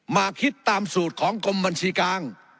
มาคิดตามสูตรของกรมบัญชีกลาง